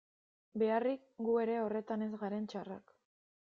Beharrik, gu ere horretan ez garen txarrak...